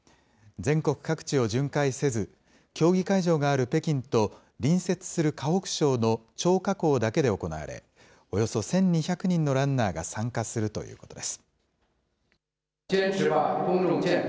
全国各地を巡回せず、競技会場がある北京と隣接する河北省の張家口だけで行われ、およそ１２００人のランナーが参加するということです。